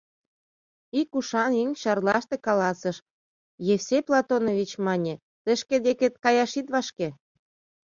Ик ушан еҥ Чарлаште каласыш: «Евсей Платонович, мане, тый шке декет каяш ит вашке.